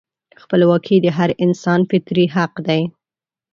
خپلواکي د هر انسان فطري حق دی.